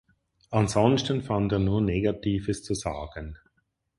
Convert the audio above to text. Ansonsten fand er nur Negatives zu sagen.